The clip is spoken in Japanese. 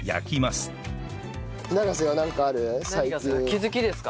気づきですか？